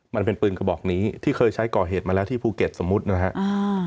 มันเป็นปืนกระบอกนี้ที่เคยใช้ก่อเหตุมาแล้วที่ภูเก็ตสมมุตินะฮะ